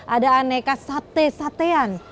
ada aneka sate satean